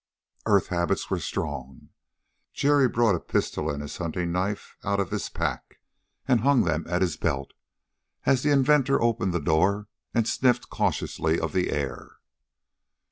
Earth habits were strong: Jerry brought his pistol and a hunting knife out of his pack and hung them at his belt, as the inventor opened the door and sniffed cautiously of the air.